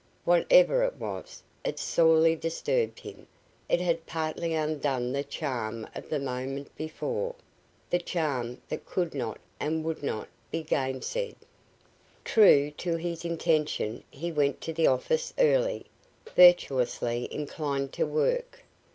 Whatever it was, it sorely disturbed him; it had partly undone the charm of the moment before the charm that could not and would not be gainsaid. True to his intention, he went to the office early, virtuously inclined to work.